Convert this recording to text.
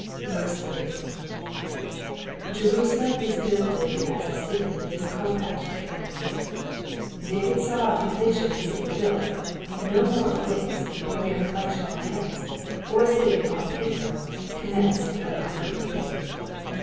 8. ^^ Jerusalem is Jmilded as a city that is compact together,'''* David saw in vision the city built ; no more a waste, or a mere collection of tents, or a city upon paper, commenced but not completed.